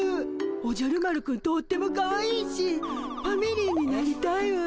おじゃる丸くんとってもかわいいしファミリーになりたいわ。